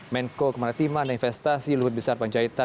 menko kemaratiman dan investasi luhut besar panjaitan